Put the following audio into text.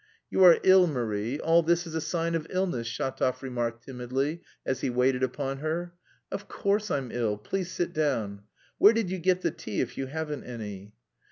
"You are ill, Marie, all this is a sign of illness," Shatov remarked timidly as he waited upon her. "Of course I'm ill, please sit down. Where did you get the tea if you haven't any?"